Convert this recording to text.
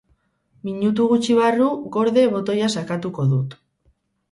"Minutu gutxi barru "gorde" botoia sakatuko dut."